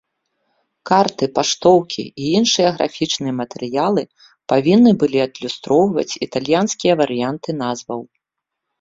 Карты, паштоўкі і іншыя графічныя матэрыялы павінны былі адлюстроўваць італьянскія варыянты назваў.